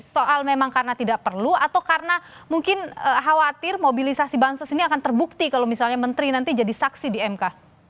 soal memang karena tidak perlu atau karena mungkin khawatir mobilisasi bansos ini akan terbukti kalau misalnya menteri nanti jadi saksi di mk